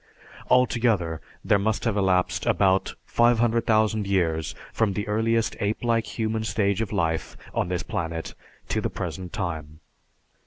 Altogether, there must have elapsed about 500,000 years from the earliest ape like human stage of life on this planet to the present time.